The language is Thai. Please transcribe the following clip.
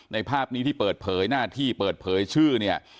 ภาพนี้ที่เปิดเผยหน้าที่เปิดเผยชื่อเนี่ย